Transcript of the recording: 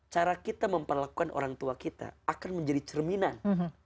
cara kita memperlakukan orang tua kita akan menjadi cerminan